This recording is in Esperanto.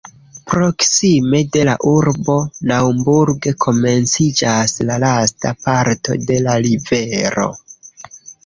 Proksime de la urbo Naumburg komenciĝas la lasta parto de la rivero.